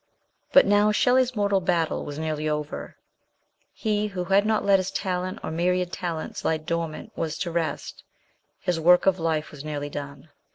But now Shellev's mortal battle was nearly over ; he who had not let his talent or myriad talents lie dormant was to rest, his work of life was nearly done.